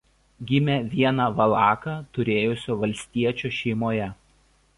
Gimė vieną valaką turėjusio valstiečio šeimoje.